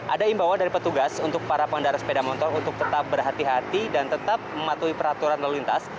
ada imbauan dari petugas untuk para pengendara sepeda motor untuk tetap berhati hati dan tetap mematuhi peraturan lalu lintas